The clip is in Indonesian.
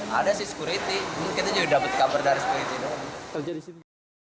ada sih security kita juga dapat kabar dari security